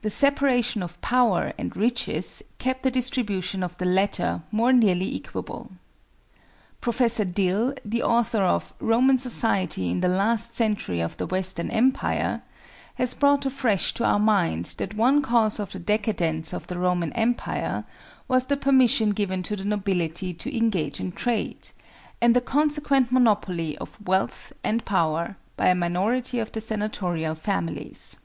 The separation of power and riches kept the distribution of the latter more nearly equable. Professor Dill, the author of "Roman Society in the Last Century of the Western Empire," has brought afresh to our mind that one cause of the decadence of the Roman Empire, was the permission given to the nobility to engage in trade, and the consequent monopoly of wealth and power by a minority of the senatorial families.